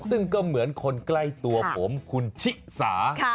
ซึ่งก็เหมือนคนใกล้ตัวผมคุณชิสา